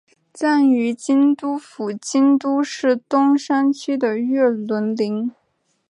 葬于京都府京都市东山区的月轮陵。